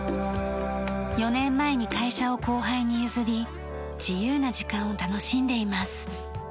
４年前に会社を後輩に譲り自由な時間を楽しんでいます。